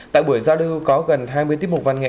tại buổi giao lưu có gần hai mươi tiết mục văn nghệ